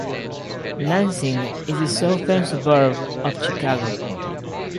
Lansing is a southern suburb of Chicago.